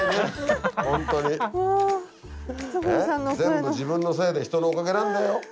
全部自分のせいで人のおかげなんだよ。